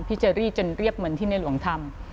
พี่จะรีจนเรียบเหมือนที่ในหลวงธรรม